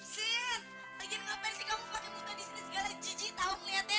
sin pagiin ngapain kamu pake muntah di sini segala jijik tau